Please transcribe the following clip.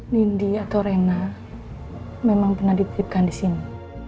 nindi atau rena memang pernah dititipkan di sini